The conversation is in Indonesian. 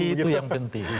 itu yang penting